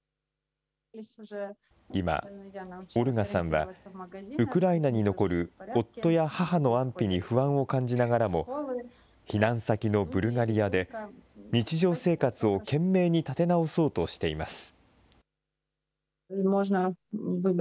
今、オルガさんはウクライナに残る夫や母の安否に不安を感じながらも、避難先のブルガリアで日常生活を懸命に立て直そうとしています。